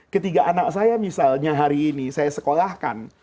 ketiga anak saya misalnya hari ini saya sekolahkan